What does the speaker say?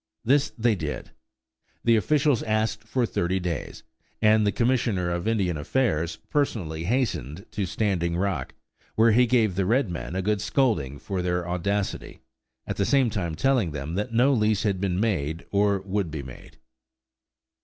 This they did. The officials asked for thirty days; and the Commissioner of Indian Affairs personally hastened to Standing Rock, where he gave the red men a good scolding for their audacity, at the same time telling them that no lease had been made, or would be made.